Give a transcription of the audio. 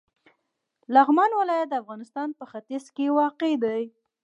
لغمان ولایت د افغانستان په ختیځ کې واقع دی.